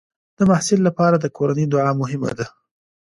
د محصل لپاره د کورنۍ دعا مهمه ده.